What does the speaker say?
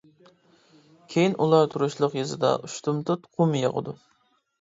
كېيىن ئۇلار تۇرۇشلۇق يېزىدا ئۇشتۇمتۇت قۇم ياغىدۇ.